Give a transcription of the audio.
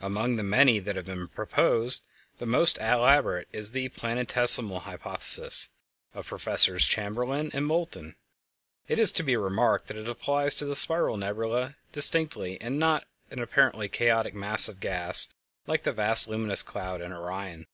Among the many that have been proposed the most elaborate is the "Planetesimal Hypothesis" of Professors Chamberlin and Moulton. It is to be remarked that it applies to the spiral nebulæ distinctively, and not to an apparently chaotic mass of gas like the vast luminous cloud in Orion.